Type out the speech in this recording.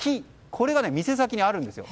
これが店先にあるんです。